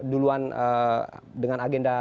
duluan dengan agenda